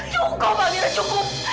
cukup amira cukup